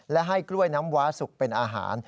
และให้กล้วยน้ำว้าสุกเป็นอาหาร